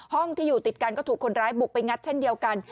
ห้องที่อยู่ติดกันก็ถูกคนร้ายบุกไปงัดเช่นเดียวกัน